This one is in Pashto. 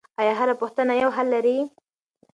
آیا هره پوښتنه یو حل لري؟